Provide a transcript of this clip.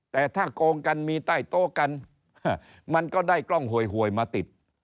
แต่ถ้าโกงกันมีใต้โต๊ะกันมันก็ได้กล้องหวยมาติด